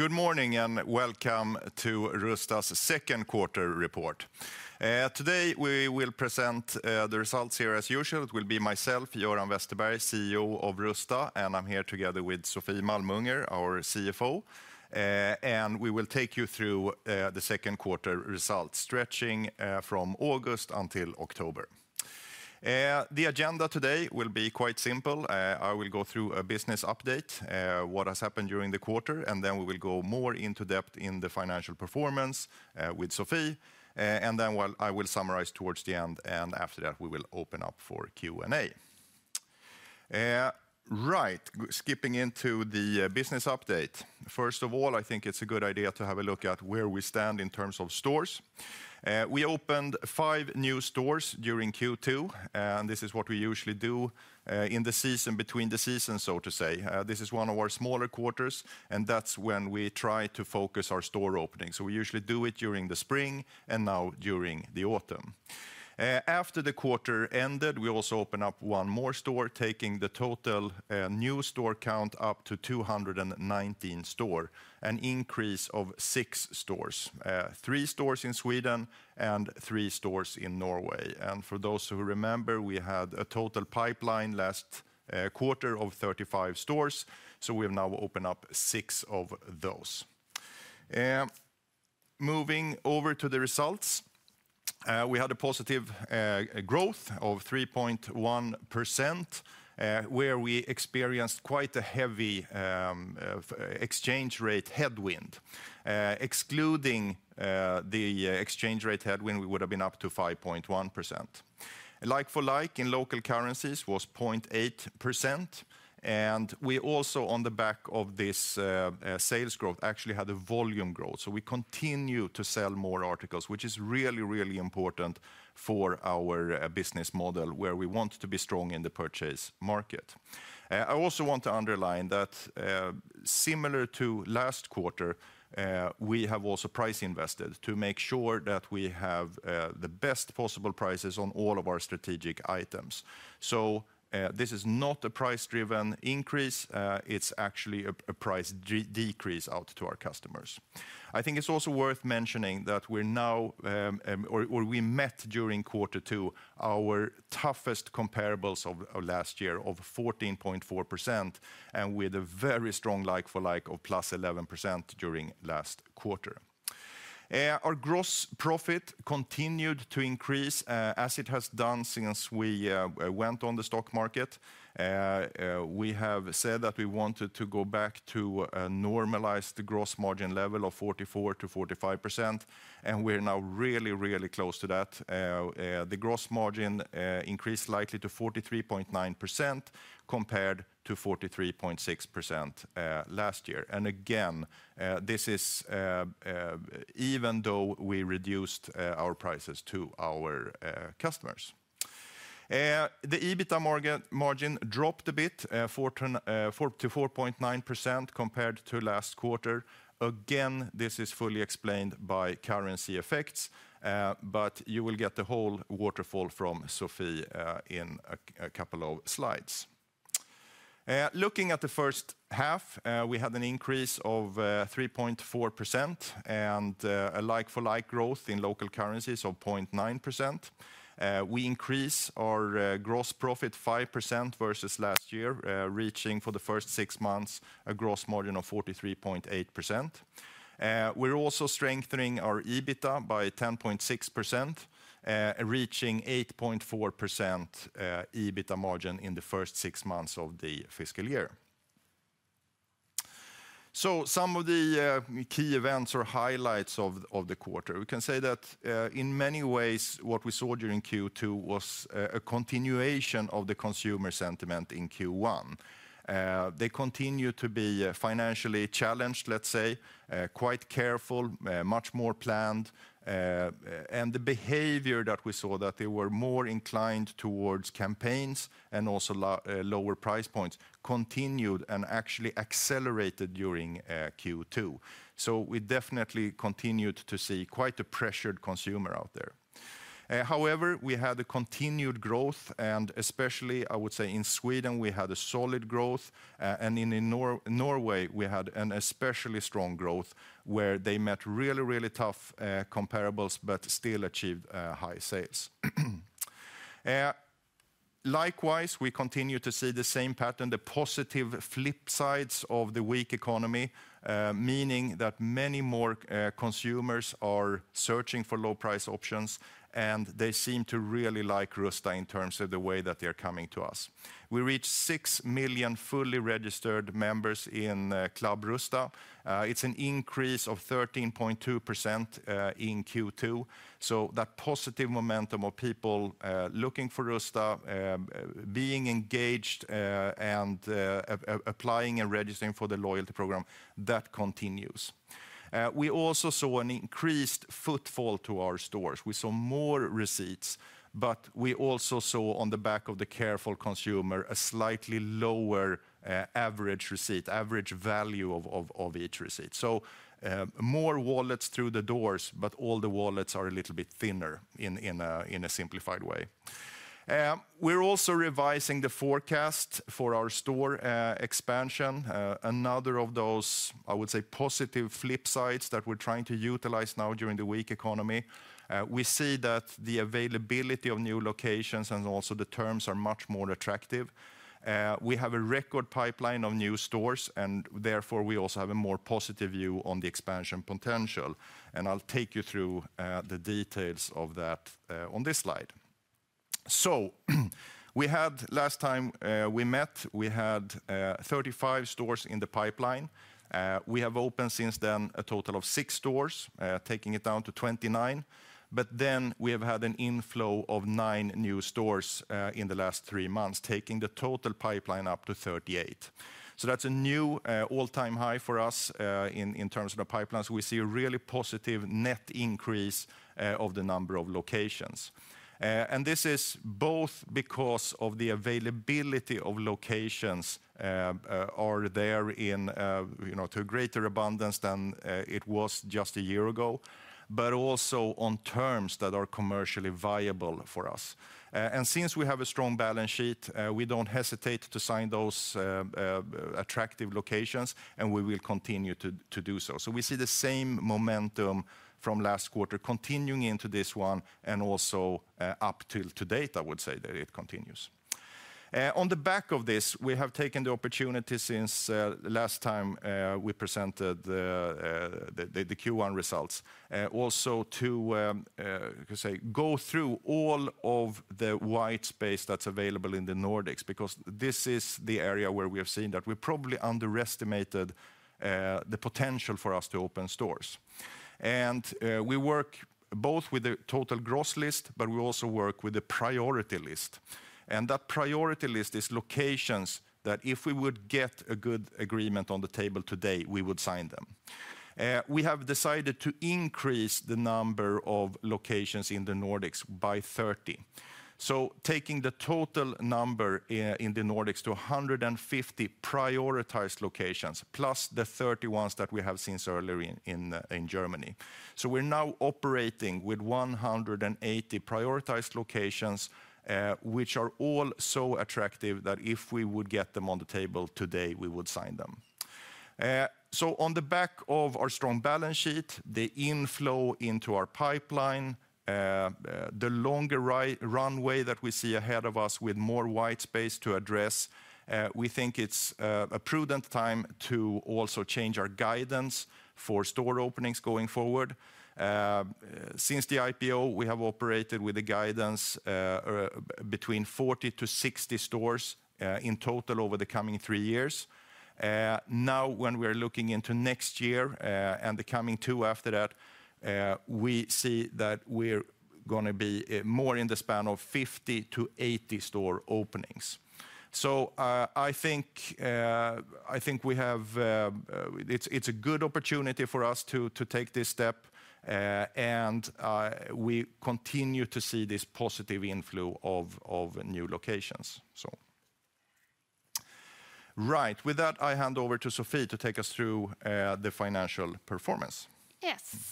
Good morning and Welcome to Rusta's Second Quarter Report. Today we will present the results here as usual. It will be myself, Göran Westerberg, CEO of Rusta, and I'm here together with Sofie Malmunger, our CFO, and we will take you through the second quarter results, stretching from August until October. The agenda today will be quite simple. I will go through a business update, what has happened during the quarter, and then we will go more into depth in the financial performance with Sofie, and then I will summarize towards the end, and after that we will open up for Q&A. Right, skipping into the business update. First of all, I think it's a good idea to have a look at where we stand in terms of stores. We opened five new stores during Q2, and this is what we usually do in the season, between the seasons, so to say. This is one of our smaller quarters, and that's when we try to focus our store openings. So we usually do it during the spring and now during the autumn. After the quarter ended, we also opened up one more store, taking the total new store count up to 219 stores, an increase of six stores: three stores in Sweden and three stores in Norway. And for those who remember, we had a total pipeline last quarter of 35 stores, so we have now opened up six of those. Moving over to the results, we had a positive growth of 3.1%, where we experienced quite a heavy exchange rate headwind. Excluding the exchange rate headwind, we would have been up to 5.1%. Like for like in local currencies was 0.8%, and we also, on the back of this sales growth, actually had a volume growth, so we continue to sell more articles, which is really, really important for our business model, where we want to be strong in the purchase market. I also want to underline that, similar to last quarter, we have also price invested to make sure that we have the best possible prices on all of our strategic items, so this is not a price-driven increase. It's actually a price decrease out to our customers. I think it's also worth mentioning that we're now, or we met during quarter two, our toughest comparables of last year of 14.4%, and with a very strong like for like of plus 11% during last quarter. Our gross profit continued to increase as it has done since we went on the stock market. We have said that we wanted to go back to a normalized gross margin level of 44% to 45%, and we're now really, really close to that. The gross margin increased slightly to 43.9% compared to 43.6% last year, and again, this is even though we reduced our prices to our customers. The EBITDA margin dropped a bit, 4% to 4.9% compared to last quarter, again, this is fully explained by currency effects, but you will get the whole waterfall from Sofie in a couple of slides. Looking at the first half, we had an increase of 3.4% and a like for like growth in local currencies of 0.9%. We increased our gross profit 5% versus last year, reaching, for the first six months, a gross margin of 43.8%. We're also strengthening our EBITDA by 10.6%, reaching 8.4% EBITDA margin in the first six months of the fiscal year. So some of the key events or highlights of the quarter, we can say that in many ways what we saw during Q2 was a continuation of the consumer sentiment in Q1. They continue to be financially challenged, let's say, quite careful, much more planned. And the behavior that we saw, that they were more inclined towards campaigns and also lower price points, continued and actually accelerated during Q2. So we definitely continued to see quite a pressured consumer out there. However, we had a continued growth, and especially I would say in Sweden we had a solid growth, and in Norway we had an especially strong growth where they met really, really tough comparables but still achieved high sales. Likewise, we continue to see the same pattern, the positive flip sides of the weak economy, meaning that many more consumers are searching for low price options, and they seem to really like Rusta in terms of the way that they are coming to us. We reached 6 million fully registered members in Club Rusta. It's an increase of 13.2% in Q2. So that positive momentum of people looking for Rusta, being engaged, and applying and registering for the loyalty program, that continues. We also saw an increased footfall to our stores. We saw more receipts, but we also saw on the back of the careful consumer a slightly lower average receipt, average value of each receipt. So more wallets through the doors, but all the wallets are a little bit thinner in a simplified way. We're also revising the forecast for our store expansion. Another of those, I would say, positive flip sides that we're trying to utilize now during the weak economy. We see that the availability of new locations and also the terms are much more attractive. We have a record pipeline of new stores, and therefore we also have a more positive view on the expansion potential, and I'll take you through the details of that on this slide, so we had, last time we met, we had 35 stores in the pipeline. We have opened since then a total of six stores, taking it down to 29, but then we have had an inflow of nine new stores in the last three months, taking the total pipeline up to 38, so that's a new all-time high for us in terms of the pipelines. We see a really positive net increase of the number of locations. This is both because of the availability of locations that are there into a greater abundance than it was just a year ago, but also on terms that are commercially viable for us. And since we have a strong balance sheet, we don't hesitate to sign those attractive locations, and we will continue to do so. So we see the same momentum from last quarter continuing into this one and also up to date, I would say that it continues. On the back of this, we have taken the opportunity since last time we presented the Q1 results, also to go through all of the white space that's available in the Nordics, because this is the area where we have seen that we probably underestimated the potential for us to open stores. We work both with the total gross list, but we also work with the priority list. That priority list is locations that if we would get a good agreement on the table today, we would sign them. We have decided to increase the number of locations in the Nordics by 30, taking the total number in the Nordics to 150 prioritized locations, plus the 30 ones that we have since earlier in Germany. We're now operating with 180 prioritized locations, which are all so attractive that if we would get them on the table today, we would sign them. On the back of our strong balance sheet, the inflow into our pipeline, the longer runway that we see ahead of us with more white space to address, we think it's a prudent time to also change our guidance for store openings going forward. Since the IPO, we have operated with a guidance between 40-60 stores in total over the coming three years. Now, when we are looking into next year and the coming two after that, we see that we're going to be more in the span of 50-80 store openings. So I think we have, it's a good opportunity for us to take this step, and we continue to see this positive inflow of new locations. Right, with that, I hand over to Sofie to take us through the financial performance. Yes.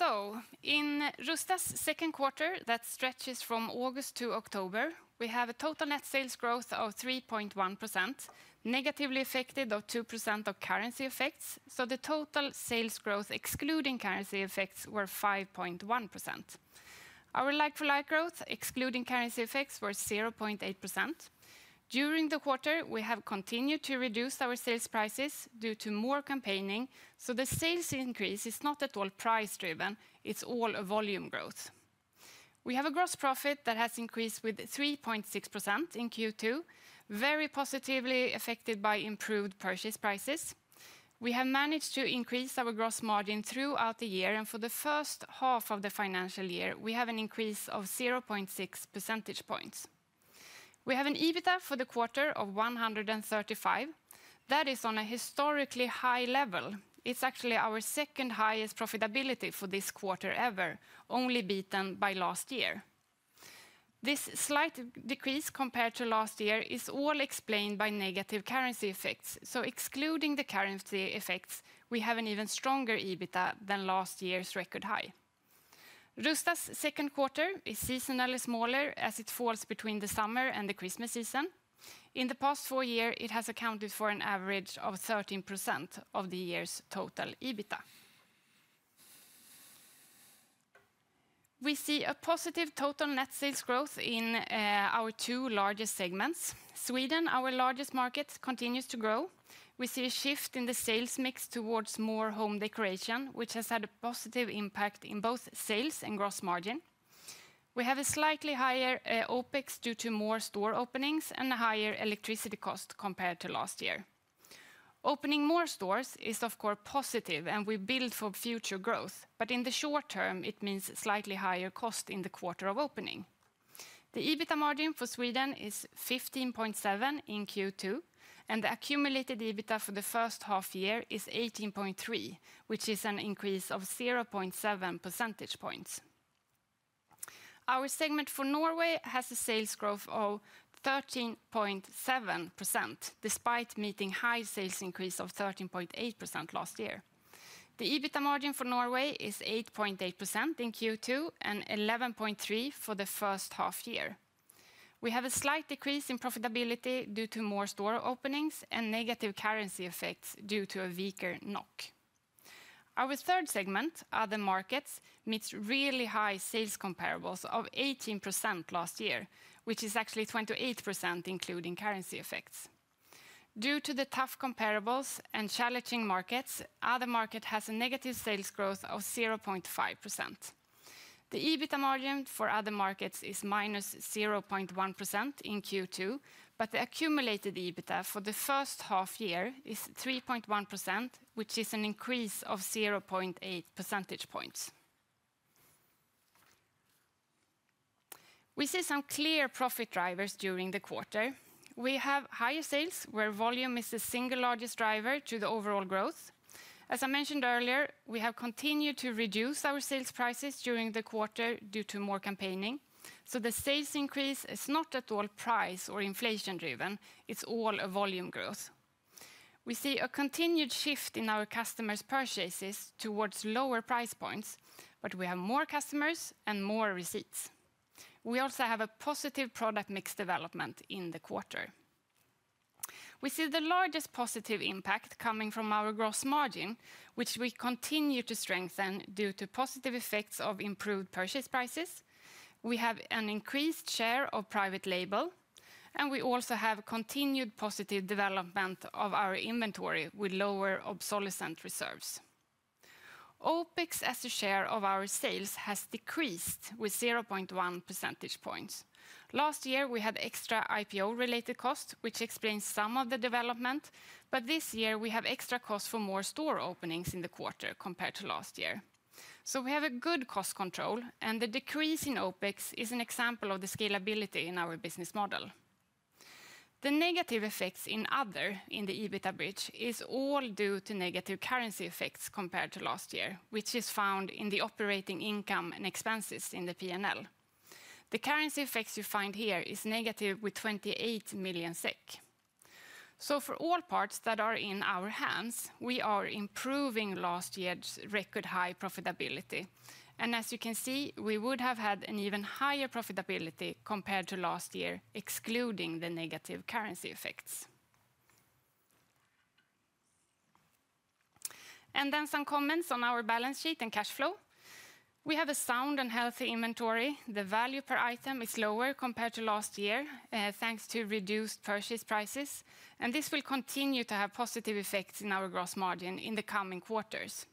So in Rusta's second quarter, that stretches from August to October, we have a total net sales growth of 3.1%, negatively affected of 2% of currency effects. So the total sales growth excluding currency effects was 5.1%. Our like for like growth, excluding currency effects, was 0.8%. During the quarter, we have continued to reduce our sales prices due to more campaigning. So the sales increase is not at all price-driven. It's all a volume growth. We have a gross profit that has increased with 3.6% in Q2, very positively affected by improved purchase prices. We have managed to increase our gross margin throughout the year, and for the first half of the financial year, we have an increase of 0.6 percentage points. We have an EBITDA for the quarter of 135. That is on a historically high level. It's actually our second highest profitability for this quarter ever, only beaten by last year. This slight decrease compared to last year is all explained by negative currency effects. So excluding the currency effects, we have an even stronger EBITDA than last year's record high. Rusta's second quarter is seasonally smaller as it falls between the summer and the Christmas season. In the past four years, it has accounted for an average of 13% of the year's total EBITDA. We see a positive total net sales growth in our two largest segments. Sweden, our largest market, continues to grow. We see a shift in the sales mix towards more home decoration, which has had a positive impact in both sales and gross margin. We have a slightly higher OPEX due to more store openings and a higher electricity cost compared to last year. Opening more stores is, of course, positive, and we build for future growth, but in the short term, it means slightly higher cost in the quarter of opening. The EBITDA margin for Sweden is 15.7% in Q2, and the accumulated EBITDA for the first half year is 18.3%, which is an increase of 0.7 percentage points. Our segment for Norway has a sales growth of 13.7% despite meeting high sales increase of 13.8% last year. The EBITDA margin for Norway is 8.8% in Q2 and 11.3% for the first half year. We have a slight decrease in profitability due to more store openings and negative currency effects due to a weaker NOK. Our third segment, other markets, meets really high sales comparables of 18% last year, which is actually 28% including currency effects. Due to the tough comparables and challenging markets, other markets have a negative sales growth of 0.5%. The EBITDA margin for other markets is minus 0.1% in Q2, but the accumulated EBITDA for the first half year is 3.1%, which is an increase of 0.8 percentage points. We see some clear profit drivers during the quarter. We have higher sales where volume is the single largest driver to the overall growth. As I mentioned earlier, we have continued to reduce our sales prices during the quarter due to more campaigning. So the sales increase is not at all price or inflation-driven. It's all a volume growth. We see a continued shift in our customers' purchases towards lower price points, but we have more customers and more receipts. We also have a positive product mix development in the quarter. We see the largest positive impact coming from our gross margin, which we continue to strengthen due to positive effects of improved purchase prices. We have an increased share of private label, and we also have continued positive development of our inventory with lower obsolescence reserves. OPEX as a share of our sales has decreased with 0.1 percentage points. Last year, we had extra IPO-related costs, which explains some of the development, but this year we have extra costs for more store openings in the quarter compared to last year. So we have a good cost control, and the decrease in OPEX is an example of the scalability in our business model. The negative effects in other in the EBITDA bridge are all due to negative currency effects compared to last year, which is found in the operating income and expenses in the P&L. The currency effects you find here are negative with 28 million SEK. So for all parts that are in our hands, we are improving last year's record high profitability. As you can see, we would have had an even higher profitability compared to last year, excluding the negative currency effects. Some comments on our balance sheet and cash flow. We have a sound and healthy inventory. The value per item is lower compared to last year thanks to reduced purchase prices. This will continue to have positive effects in our gross margin in the coming quarters.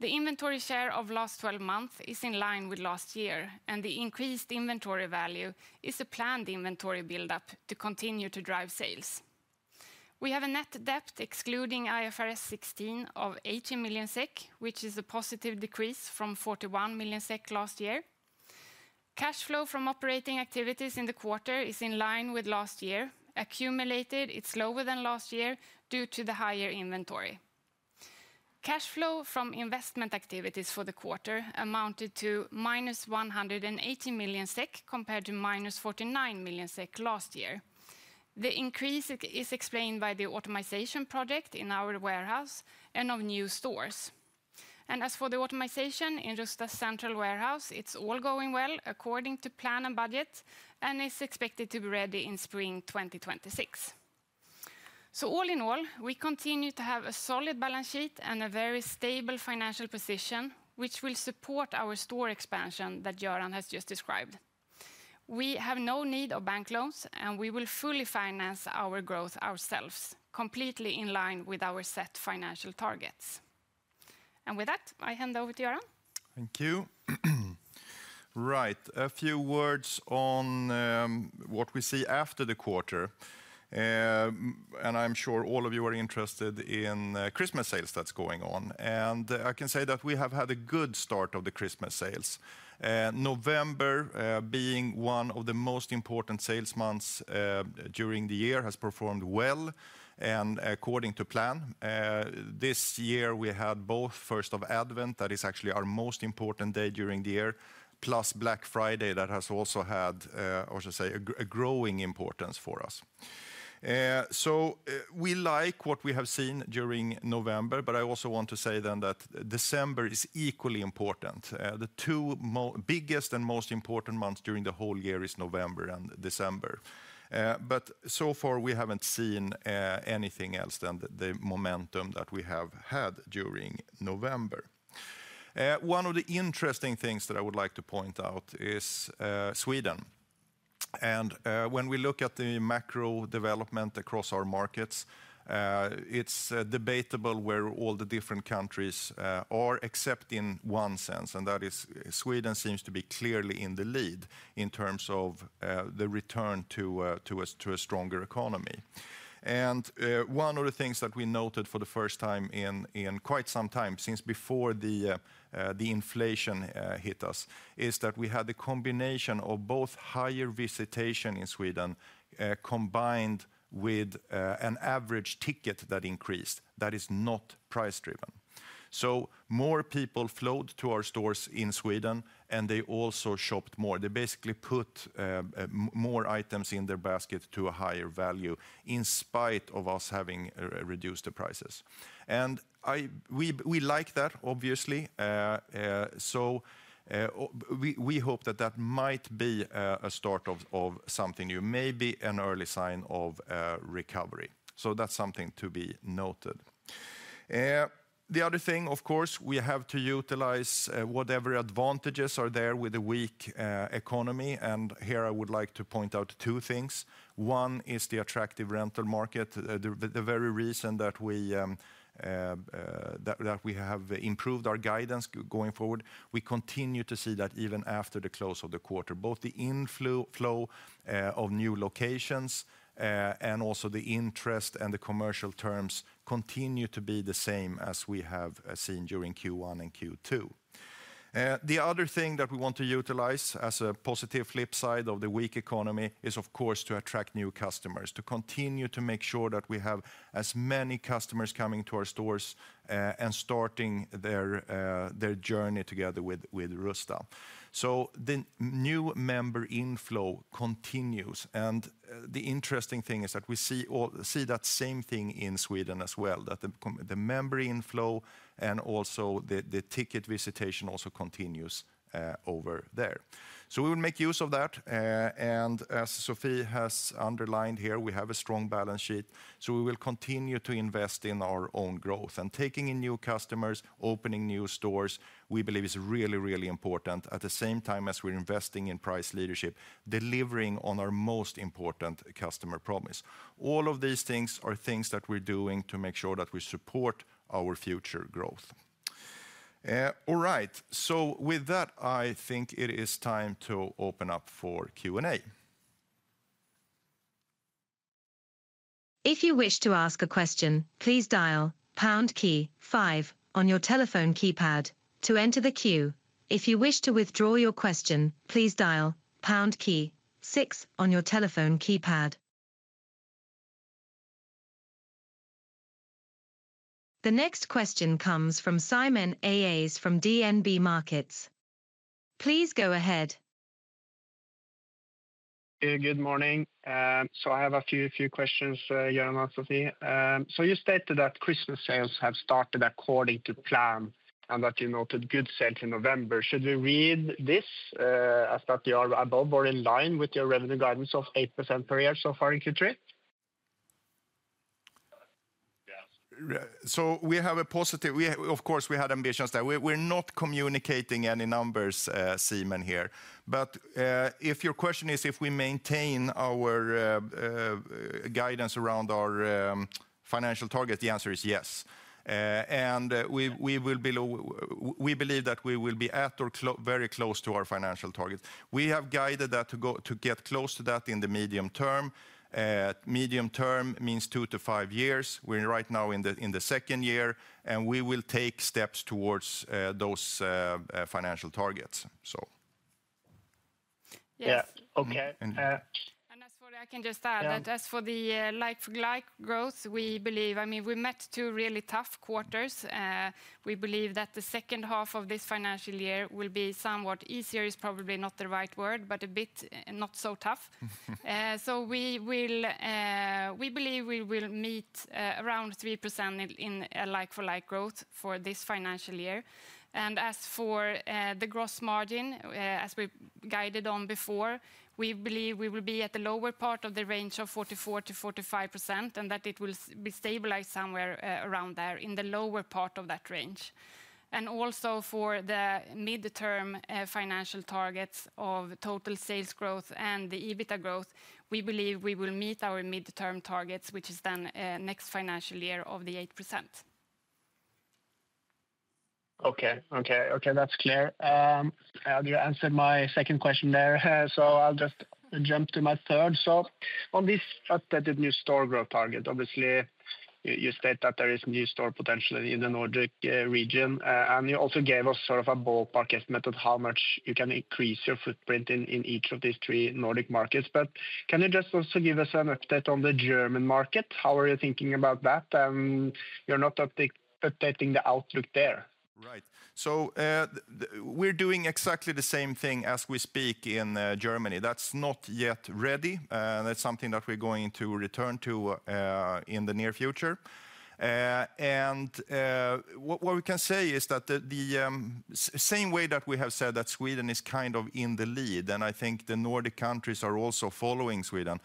The inventory share of last 12 months is in line with last year, and the increased inventory value is a planned inventory build-up to continue to drive sales. We have a net debt excluding IFRS 16 of 18 million SEK, which is a positive decrease from 41 million SEK last year. Cash flow from operating activities in the quarter is in line with last year. Accumulated, it's lower than last year due to the higher inventory. Cash flow from investment activities for the quarter amounted to minus 180 million SEK compared to minus 49 million SEK last year. The increase is explained by the optimization project in our warehouse and of new stores. And as for the optimization in Rusta's central warehouse, it's all going well according to plan and budget, and it's expected to be ready in spring 2026. So all in all, we continue to have a solid balance sheet and a very stable financial position, which will support our store expansion that Göran has just described. We have no need of bank loans, and we will fully finance our growth ourselves, completely in line with our set financial targets. And with that, I hand over to Göran. Thank you. Right, a few words on what we see after the quarter. And I'm sure all of you are interested in Christmas sales that's going on. And I can say that we have had a good start of the Christmas sales. November, being one of the most important sales months during the year, has performed well. And according to plan, this year we had both 1st of Advent, that is actually our most important day during the year, plus Black Friday, that has also had, I should say, a growing importance for us. So we like what we have seen during November, but I also want to say then that December is equally important. The two biggest and most important months during the whole year are November and December. But so far, we haven't seen anything else than the momentum that we have had during November. One of the interesting things that I would like to point out is Sweden. And when we look at the macro development across our markets, it's debatable where all the different countries are, except in one sense, and that is Sweden seems to be clearly in the lead in terms of the return to a stronger economy. And one of the things that we noted for the first time in quite some time since before the inflation hit us is that we had the combination of both higher visitation in Sweden combined with an average ticket that increased, that is, not price-driven. So more people flowed to our stores in Sweden, and they also shopped more. They basically put more items in their basket to a higher value in spite of us having reduced the prices. And we like that, obviously. So we hope that that might be a start of something new, maybe an early sign of recovery. So that's something to be noted. The other thing, of course, we have to utilize whatever advantages are there with a weak economy. And here I would like to point out two things. One is the attractive rental market, the very reason that we have improved our guidance going forward. We continue to see that even after the close of the quarter, both the inflow of new locations and also the interest and the commercial terms continue to be the same as we have seen during Q1 and Q2. The other thing that we want to utilize as a positive flip side of the weak economy is, of course, to attract new customers, to continue to make sure that we have as many customers coming to our stores and starting their journey together with Rusta. So the new member inflow continues. And the interesting thing is that we see that same thing in Sweden as well, that the member inflow and also the ticket visitation also continues over there. So we will make use of that. And as Sofie has underlined here, we have a strong balance sheet. So we will continue to invest in our own growth and taking in new customers, opening new stores, we believe is really, really important at the same time as we're investing in price leadership, delivering on our most important customer promise. All of these things are things that we're doing to make sure that we support our future growth. All right, so with that, I think it is time to open up for Q&A. If you wish to ask a question, please dial pound key five on your telephone keypad to enter the queue. If you wish to withdraw your question, please dial pound key six on your telephone keypad. The next question comes from Simon Ås from DNB Markets. Please go ahead. Good morning. So I have a few questions, Göran and Sofie. So you stated that Christmas sales have started according to plan and that you noted good sales in November. Should we read this as that you are above or in line with your revenue guidance of 8% per year so far in Q3? So we have a positive, of course, we had ambitions there. We're not communicating any numbers, Simon, here. But if your question is if we maintain our guidance around our financial target, the answer is yes. And we believe that we will be at or very close to our financial target. We have guided that to get close to that in the medium term. Medium term means two to five years. We're right now in the second year, and we will take steps towards those financial targets. So. Yes. Okay. I can just add that as for the like-for-like growth, we believe, I mean, we met two really tough quarters. We believe that the second half of this financial year will be somewhat easier, is probably not the right word, but a bit not so tough. We believe we will meet around three% in like-for-like growth for this financial year. As for the gross margin, as we guided on before, we believe we will be at the lower part of the range of 44%-45% and that it will be stabilized somewhere around there in the lower part of that range. Also for the midterm financial targets of total sales growth and the EBITDA growth, we believe we will meet our midterm targets, which is then next financial year of the 8%. Okay, okay, okay, that's clear. You answered my second question there, so I'll just jump to my third. So on this updated new store growth target, obviously you state that there is new store potential in the Nordic region, and you also gave us sort of a ballpark estimate of how much you can increase your footprint in each of these three Nordic markets. But can you just also give us an update on the German market? How are you thinking about that? And you're not updating the outlook there. Right, so we're doing exactly the same thing as we speak in Germany. That's not yet ready. That's something that we're going to return to in the near future, and what we can say is that the same way that we have said that Sweden is kind of in the lead, and I think the Nordic countries are also following Sweden,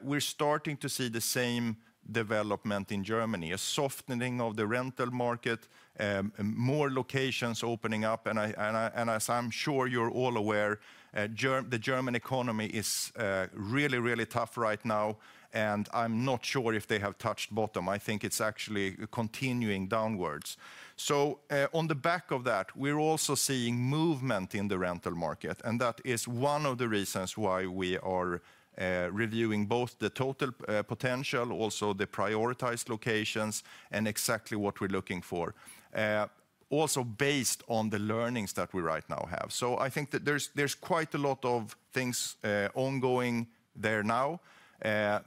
we're starting to see the same development in Germany, a softening of the rental market, more locations opening up, and as I'm sure you're all aware, the German economy is really, really tough right now, and I'm not sure if they have touched bottom. I think it's actually continuing downwards. So on the back of that, we're also seeing movement in the rental market, and that is one of the reasons why we are reviewing both the total potential, also the prioritized locations, and exactly what we're looking for, also based on the learnings that we right now have. So I think that there's quite a lot of things ongoing there now,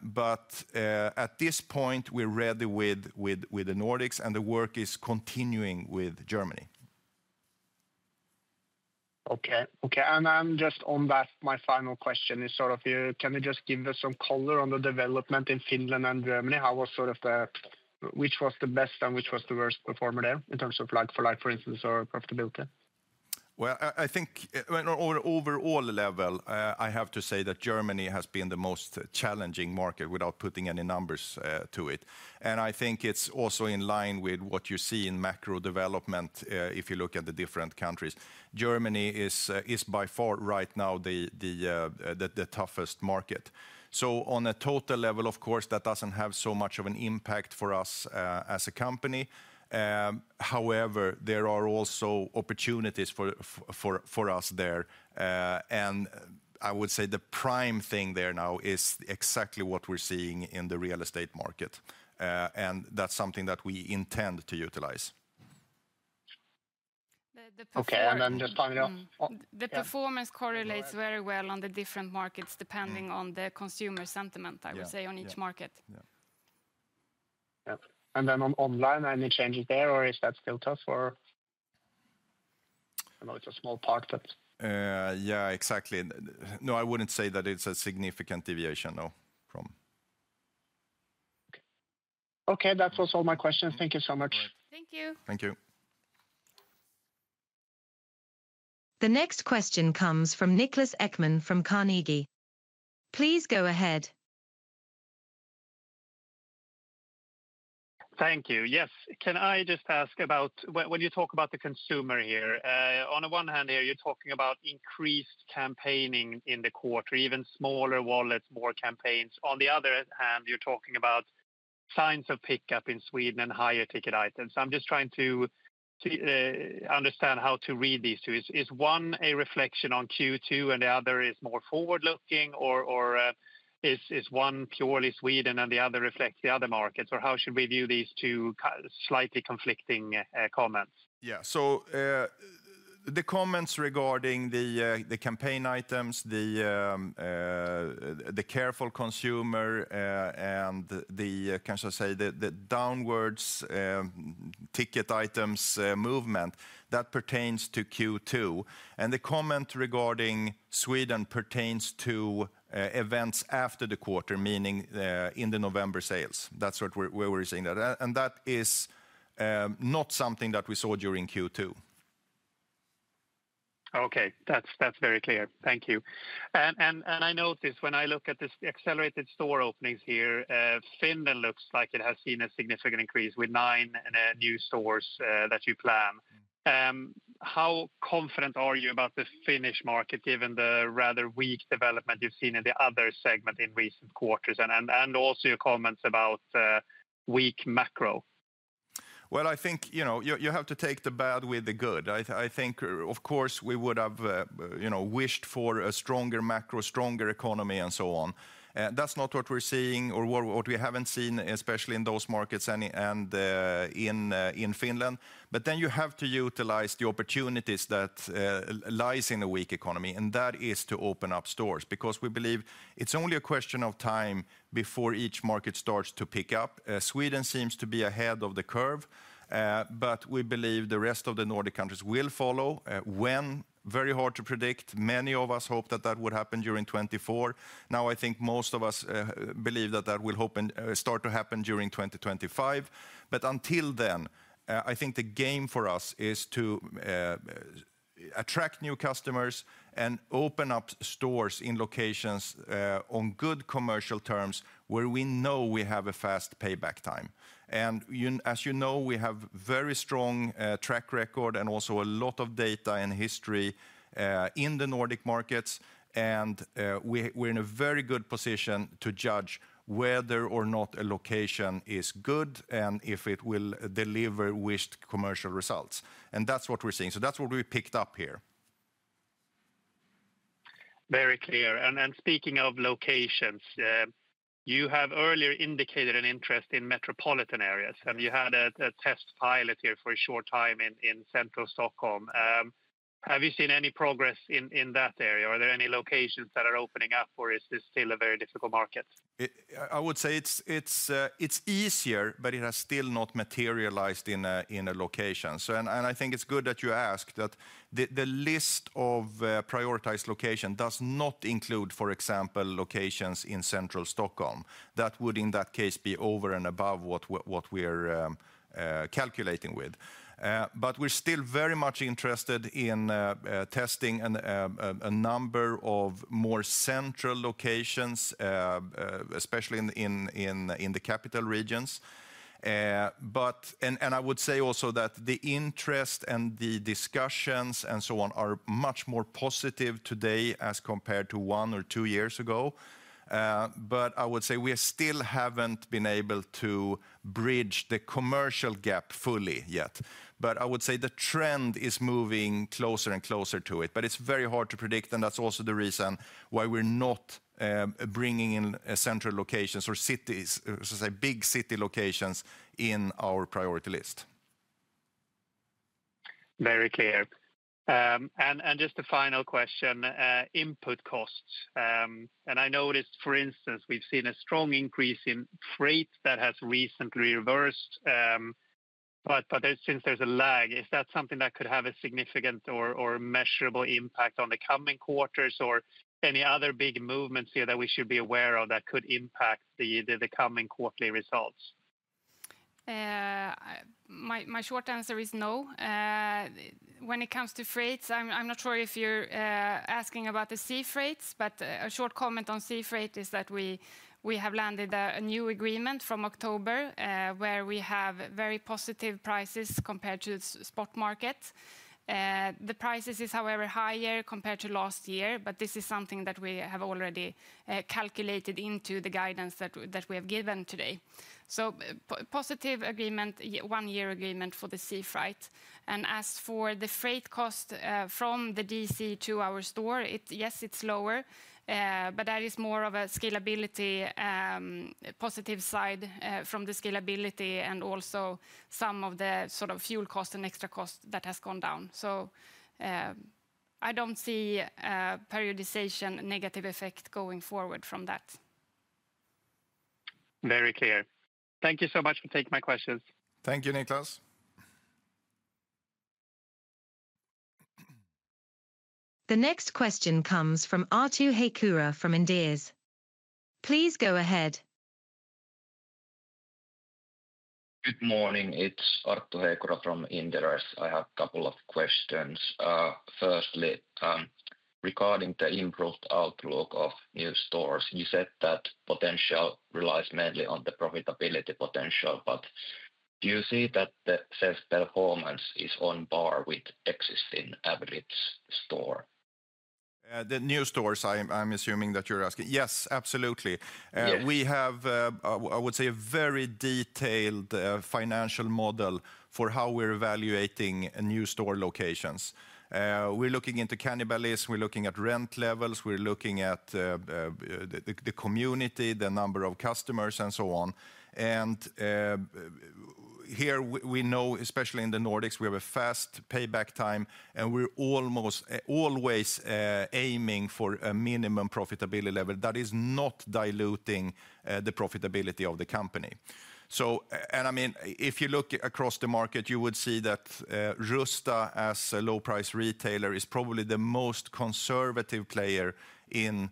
but at this point, we're ready with the Nordics, and the work is continuing with Germany. Okay, okay, and just on that, my final question is sort of, can you just give us some color on the development in Finland and Germany? How was sort of that? Which was the best and which was the worst performer there in terms of like-for-like, for instance, or profitability? I think overall level, I have to say that Germany has been the most challenging market without putting any numbers to it. I think it's also in line with what you see in macro development if you look at the different countries. Germany is by far right now the toughest market. On a total level, of course, that doesn't have so much of an impact for us as a company. However, there are also opportunities for us there. I would say the prime thing there now is exactly what we're seeing in the real estate market. That's something that we intend to utilize. Okay, and then just finally. The performance correlates very well on the different markets depending on the consumer sentiment, I would say, on each market. And then online, any changes there, or is that still tough or a small part that? Yeah, exactly. No, I wouldn't say that it's a significant deviation, no, from. Okay, that was all my questions. Thank you so much. Thank you. Thank you. The next question comes from Niklas Ekman from Carnegie. Please go ahead. Thank you. Yes. Can I just ask about when you talk about the consumer here, on the one hand, here you're talking about increased campaigning in the quarter, even smaller wallets, more campaigns. On the other hand, you're talking about signs of pickup in Sweden and higher ticket items. I'm just trying to understand how to read these two. Is one a reflection on Q2 and the other is more forward-looking, or is one purely Sweden and the other reflects the other markets, or how should we view these two slightly conflicting comments? Yeah, so the comments regarding the campaign items, the careful consumer, and the, can I say, the downwards ticket items movement, that pertains to Q2. The comment regarding Sweden pertains to events after the quarter, meaning in the November sales. That's what we're seeing there. That is not something that we saw during Q2. Okay, that's very clear. Thank you. And I noticed when I look at this accelerated store openings here, Finland looks like it has seen a significant increase with nine new stores that you plan. How confident are you about the Finnish market given the rather weak development you've seen in the other segment in recent quarters and also your comments about weak macro? I think you have to take the bad with the good. I think, of course, we would have wished for a stronger macro, stronger economy, and so on. That's not what we're seeing or what we haven't seen, especially in those markets and in Finland. But then you have to utilize the opportunities that lie in the weak economy, and that is to open up stores because we believe it's only a question of time before each market starts to pick up. Sweden seems to be ahead of the curve, but we believe the rest of the Nordic countries will follow. When? Very hard to predict. Many of us hope that that would happen during 2024. Now, I think most of us believe that that will start to happen during 2025. But until then, I think the game for us is to attract new customers and open up stores in locations on good commercial terms where we know we have a fast payback time. And as you know, we have a very strong track record and also a lot of data and history in the Nordic markets. And we're in a very good position to judge whether or not a location is good and if it will deliver wished commercial results. And that's what we're seeing. So that's what we picked up here. Very clear, and speaking of locations, you have earlier indicated an interest in metropolitan areas, and you had a test pilot here for a short time in central Stockholm. Have you seen any progress in that area? Are there any locations that are opening up, or is this still a very difficult market? I would say it's easier, but it has still not materialized in a location. And I think it's good that you asked that the list of prioritized locations does not include, for example, locations in central Stockholm. That would, in that case, be over and above what we're calculating with. But we're still very much interested in testing a number of more central locations, especially in the capital regions. And I would say also that the interest and the discussions and so on are much more positive today as compared to one or two years ago. But I would say we still haven't been able to bridge the commercial gap fully yet. But I would say the trend is moving closer and closer to it, but it's very hard to predict, and that's also the reason why we're not bringing in central locations or cities, so to say, big city locations in our priority list. Very clear. And just a final question, input costs. And I noticed, for instance, we've seen a strong increase in freight that has recently reversed, but since there's a lag, is that something that could have a significant or measurable impact on the coming quarters or any other big movements here that we should be aware of that could impact the coming quarterly results? My short answer is no. When it comes to freights, I'm not sure if you're asking about the sea freights, but a short comment on sea freight is that we have landed a new agreement from October where we have very positive prices compared to the spot market. The price is, however, higher compared to last year, but this is something that we have already calculated into the guidance that we have given today, so positive agreement, one-year agreement for the sea freight, and as for the freight cost from the DC to our store, yes, it's lower, but that is more of a scalability positive side from the scalability and also some of the sort of fuel cost and extra cost that has gone down, so I don't see a periodization negative effect going forward from that. Very clear. Thank you so much for taking my questions. Thank you, Niklas. The next question comes from Arttu Heikura from Inderes. Please go ahead. Good morning. It's Arttu Heikura from Inderes. I have a couple of questions. Firstly, regarding the improved outlook of new stores, you said that potential relies mainly on the profitability potential, but do you see that the sales performance is on par with existing average store? The new stores, I'm assuming that you're asking. Yes, absolutely. We have, I would say, a very detailed financial model for how we're evaluating new store locations. We're looking into cannibalism, we're looking at rent levels, we're looking at the community, the number of customers, and so on, and here we know, especially in the Nordics, we have a fast payback time, and we're almost always aiming for a minimum profitability level that is not diluting the profitability of the company, so, and I mean, if you look across the market, you would see that Rusta, as a low-price retailer, is probably the most conservative player in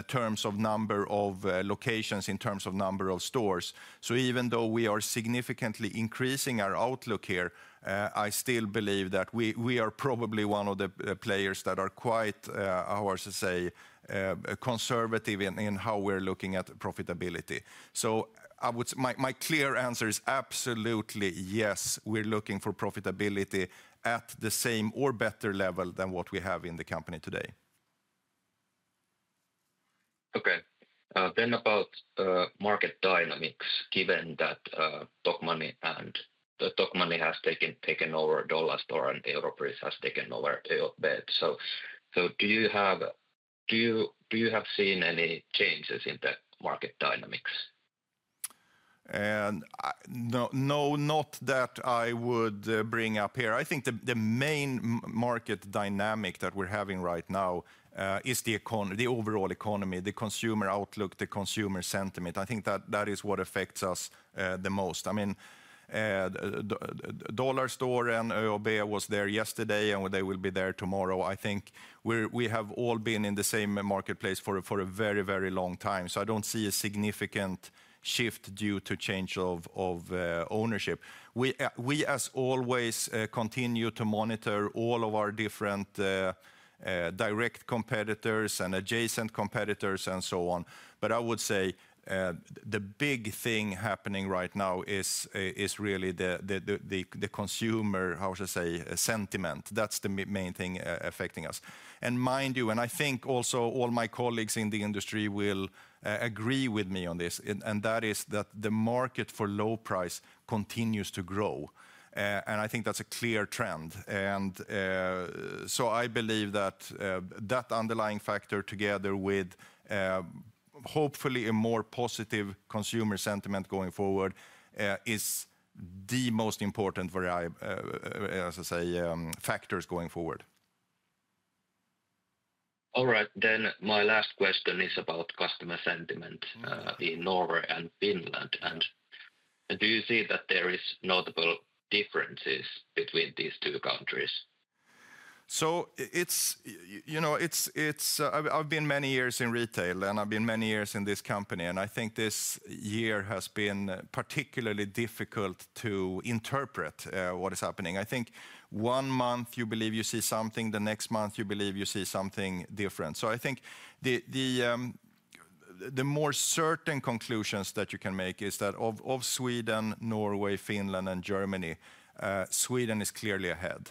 terms of number of locations, in terms of number of stores. So even though we are significantly increasing our outlook here, I still believe that we are probably one of the players that are quite, how I should say, conservative in how we're looking at profitability. So my clear answer is absolutely yes. We're looking for profitability at the same or better level than what we have in the company today. Okay. Then about market dynamics, given that Tokmanni has taken over Dollarstore and Europris has taken over ÖoB. So do you have seen any changes in the market dynamics? No, not that I would bring up here. I think the main market dynamic that we're having right now is the overall economy, the consumer outlook, the consumer sentiment. I think that is what affects us the most. I mean, Dollarstore and ÖoB was there yesterday, and they will be there tomorrow. I think we have all been in the same marketplace for a very, very long time. So I don't see a significant shift due to change of ownership. We, as always, continue to monitor all of our different direct competitors and adjacent competitors and so on. But I would say the big thing happening right now is really the consumer, how should I say, sentiment. That's the main thing affecting us. Mind you, and I think also all my colleagues in the industry will agree with me on this, and that is that the market for low price continues to grow. I think that's a clear trend. So I believe that that underlying factor, together with hopefully a more positive consumer sentiment going forward, is the most important, as I say, factors going forward. All right. Then my last question is about customer sentiment in Norway and Finland, and do you see that there are notable differences between these two countries? So I've been many years in retail, and I've been many years in this company. And I think this year has been particularly difficult to interpret what is happening. I think one month you believe you see something, the next month you believe you see something different. So I think the more certain conclusions that you can make is that of Sweden, Norway, Finland, and Germany, Sweden is clearly ahead,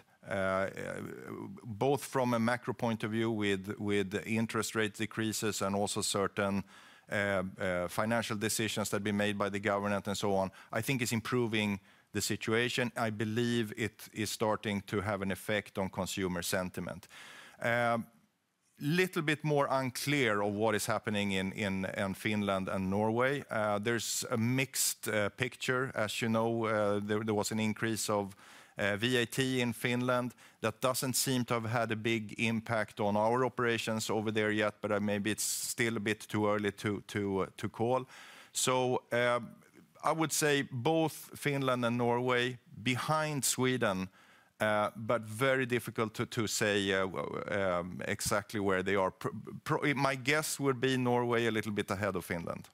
both from a macro point of view with interest rate decreases and also certain financial decisions that have been made by the government and so on. I think it's improving the situation. I believe it is starting to have an effect on consumer sentiment. A little bit more unclear of what is happening in Finland and Norway. There's a mixed picture. As you know, there was an increase of VAT in Finland that doesn't seem to have had a big impact on our operations over there yet, but maybe it's still a bit too early to call. So I would say both Finland and Norway behind Sweden, but very difficult to say exactly where they are. My guess would be Norway a little bit ahead of Finland.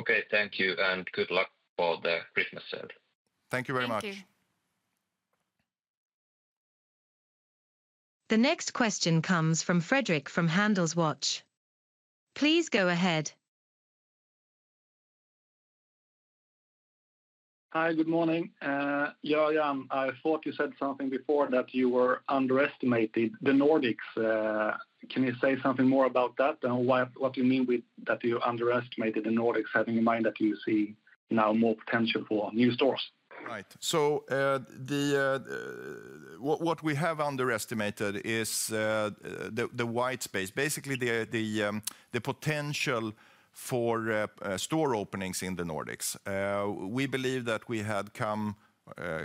Okay, thank you, and good luck for the Christmas sale. Thank you very much. Thank you. The next question comes from Fredrik from HandelsWatch. Please go ahead. Hi, good morning. Göran, I thought you said something before that you were underestimating the Nordics. Can you say something more about that and what you mean with that you underestimated the Nordics, having in mind that you see now more potential for new stores? Right. So what we have underestimated is the white space, basically the potential for store openings in the Nordics. We believe that we had come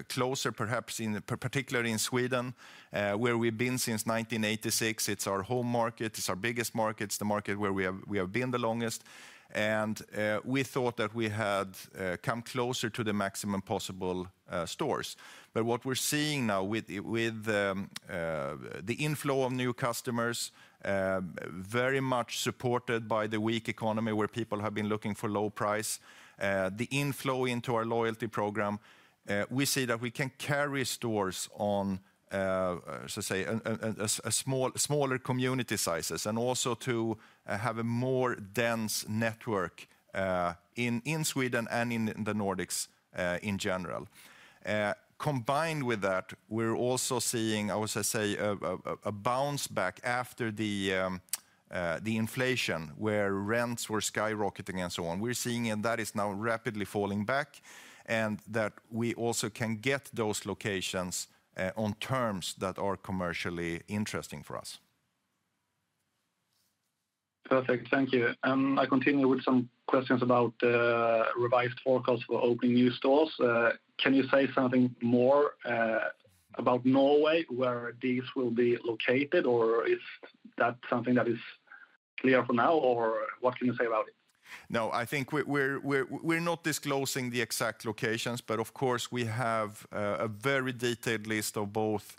closer, perhaps particularly in Sweden, where we've been since 1986. It's our home market. It's our biggest market. It's the market where we have been the longest. And we thought that we had come closer to the maximum possible stores. But what we're seeing now with the inflow of new customers, very much supported by the weak economy where people have been looking for low price, the inflow into our loyalty program, we see that we can carry stores on, as I say, smaller community sizes and also to have a more dense network in Sweden and in the Nordics in general. Combined with that, we're also seeing, I would say, a bounce back after the inflation where rents were skyrocketing and so on. We're seeing that is now rapidly falling back and that we also can get those locations on terms that are commercially interesting for us. Perfect. Thank you. And I continue with some questions about the revised forecast for opening new stores. Can you say something more about Norway, where these will be located, or is that something that is clear for now, or what can you say about it? No, I think we're not disclosing the exact locations, but of course, we have a very detailed list of both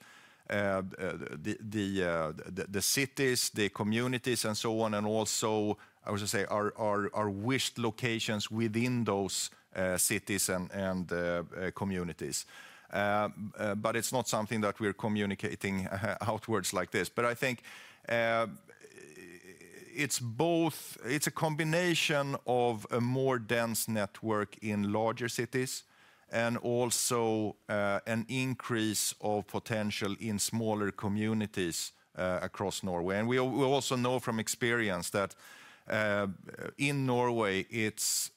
the cities, the communities, and so on, and also, I would say, our wished locations within those cities and communities. But it's not something that we're communicating outwards like this. But I think it's a combination of a more dense network in larger cities and also an increase of potential in smaller communities across Norway. And we also know from experience that in Norway, it's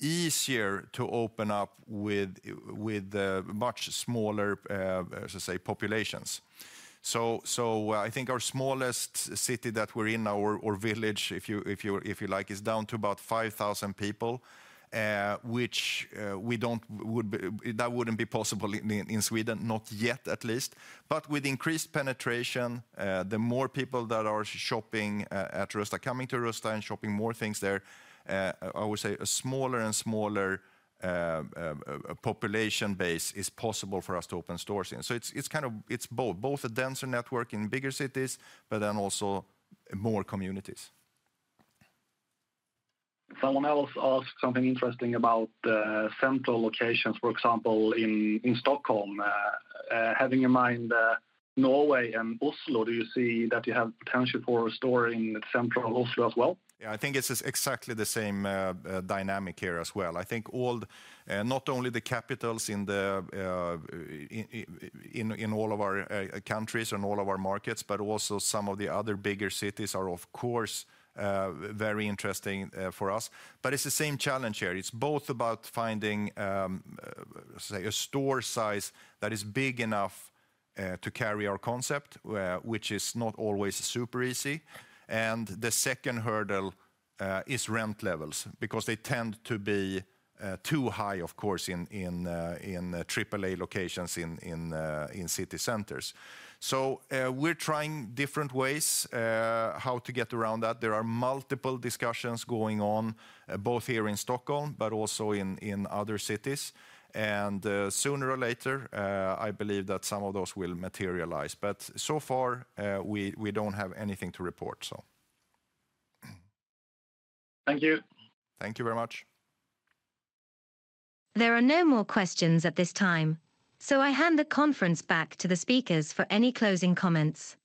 easier to open up with much smaller, as I say, populations. So I think our smallest city that we're in, our village, if you like, is down to about 5,000 people, which wouldn't be possible in Sweden, not yet at least. But with increased penetration, the more people that are shopping at Rusta, coming to Rusta and shopping more things there, I would say a smaller and smaller population base is possible for us to open stores in. So it's kind of both a denser network in bigger cities, but then also more communities. Someone else asked something interesting about central locations, for example, in Stockholm. Having in mind Norway and Oslo, do you see that you have potential for a store in central Oslo as well? Yeah, I think it's exactly the same dynamic here as well. I think not only the capitals in all of our countries and all of our markets, but also some of the other bigger cities are, of course, very interesting for us. But it's the same challenge here. It's both about finding a store size that is big enough to carry our concept, which is not always super easy. And the second hurdle is rent levels because they tend to be too high, of course, in AAA locations in city centers. So we're trying different ways how to get around that. There are multiple discussions going on both here in Stockholm, but also in other cities. And sooner or later, I believe that some of those will materialize. But so far, we don't have anything to report, so. Thank you. Thank you very much. There are no more questions at this time, so I hand the conference back to the speakers for any closing comments.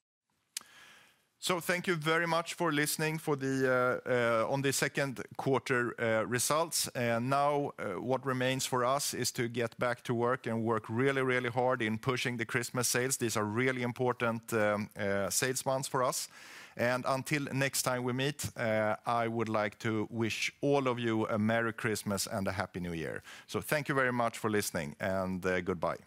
So thank you very much for listening on the second quarter results. And now what remains for us is to get back to work and work really, really hard in pushing the Christmas sales. These are really important sales months for us. And until next time we meet, I would like to wish all of you a Merry Christmas and a Happy New Year. So thank you very much for listening and goodbye.